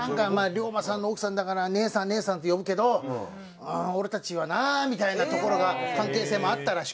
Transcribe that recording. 龍馬さんの奥さんだから「姉さん姉さん」って呼ぶけど「うーん俺たちはな」みたいなところが関係性もあったらしく。